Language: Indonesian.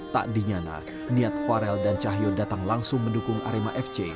tak dinyana niat farel dan cahyo datang langsung mendukung arema fc